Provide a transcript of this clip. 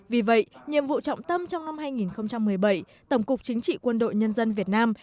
vì vậy nhiệm vụ trọng tâm trong năm hai nghìn một mươi bảy tổng cục chính trị quân đội nhân dân việt nam